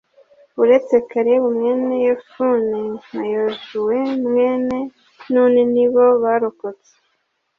uretse kalebu mwene yefune, na yozuwe mwene nuni nibo barokotse.